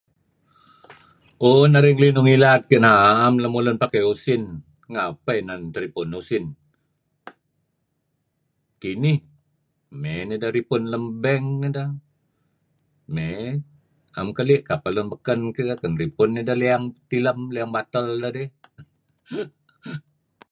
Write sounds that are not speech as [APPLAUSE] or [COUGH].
Uuh narih ngelinuh ngilad keh na'em lemulun pakai usin, ngapeh inan teripun usin. Kinih mey ripun lem bank nideh. Mey 'am keli' ken kapeh lun beken kedidieh kan ripun deh liyang tilem, liyang batel dedih. [LAUGHS]